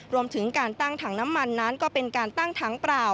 รวมถึงการตั้งถังน้ำมันนั้นก็เป็นการตั้งถังเปล่า